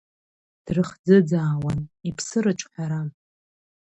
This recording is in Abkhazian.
Дрыхӡыӡаауан, иԥсы рыҿҳәаран.